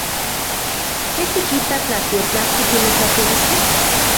¿Ken tikita tla tiotlatki timotlapouiskej?